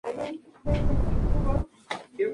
Fue el cofundador del Paseo de la Fama del Canadá.